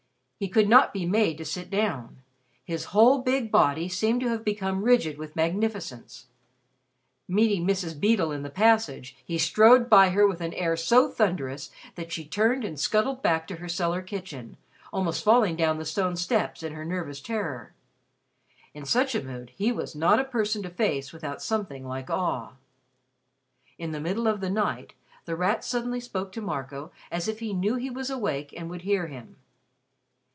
He could not be made to sit down. His whole big body seemed to have become rigid with magnificence. Meeting Mrs. Beedle in the passage, he strode by her with an air so thunderous that she turned and scuttled back to her cellar kitchen, almost falling down the stone steps in her nervous terror. In such a mood, he was not a person to face without something like awe. In the middle of the night, The Rat suddenly spoke to Marco as if he knew that he was awake and would hear him.